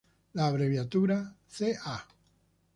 La abreviatura "ca.